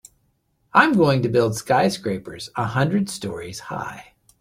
I'm going to build skyscrapers a hundred stories high.